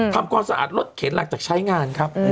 ทำความสะอาดรถเข็นหลังจากใช้งานครับ